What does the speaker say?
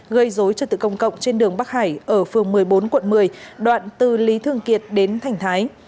gây dối trật tự công cộng trên đường bắc hải ở phường một mươi bốn quận một mươi đoạn từ lý thương kiệt đến thành thái